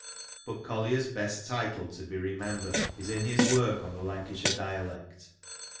But Collier's best title to be remembered is in his work on the Lancashire Dialect.